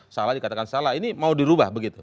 salah dikatakan salah ini mau dirubah begitu